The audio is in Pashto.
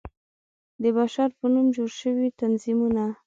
د بشر په نوم جوړ شوى تنظيمونه